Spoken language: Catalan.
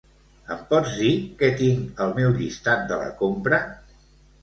Em pots dir què tinc al meu llistat de la compra?